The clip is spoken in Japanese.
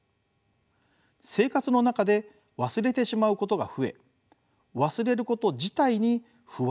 生活の中で忘れてしまうことが増え忘れること自体に不安を感じ